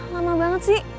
lama banget sih